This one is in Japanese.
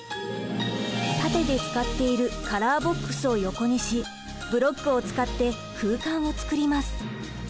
縦で使っているカラーボックスを横にしブロックを使って空間を作ります。